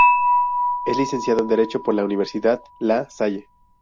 Es Licenciado en Derecho por la Universidad La Salle.